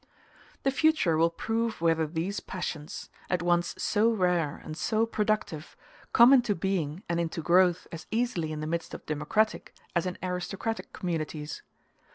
The future will prove whether these passions, at once so rare and so productive, come into being and into growth as easily in the midst of democratic as in aristocratic communities.